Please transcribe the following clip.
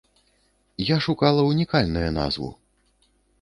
Я шукала унікальнае назву.